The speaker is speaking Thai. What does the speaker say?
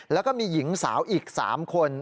แล้วก็มีหญิงสาวอีก๓คน